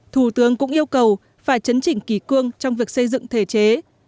thủ tướng cũng yêu cầu phải chấn chỉnh kỳ cương trong việc xây dựng thể chế